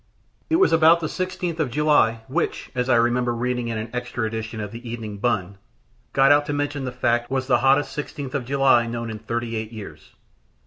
It was about the 16th of July, which, as I remember reading in an extra edition of the Evening Bun, got out to mention the fact, was the hottest 16th of July known in thirty eight years.